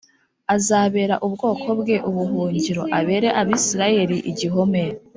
azabera ubwoko bwe ubuhungiro abere Abisirayeli igihome